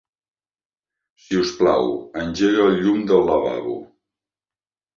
Si us plau, engega el llum del lavabo.